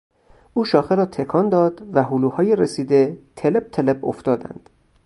او شاخه را تکان داد و هلوهای رسیده، تلپ تلپ افتادند.